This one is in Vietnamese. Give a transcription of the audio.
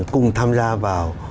cùng tham gia vào